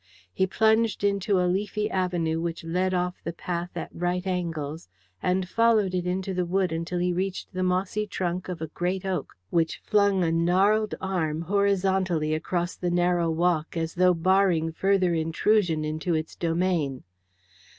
He plunged into a leafy avenue which led off the path at right angles, and followed it into the wood until he reached the mossy trunk of a great oak, which flung a gnarled arm horizontally across the narrow walk as though barring further intrusion into its domain.